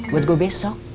buat gue besok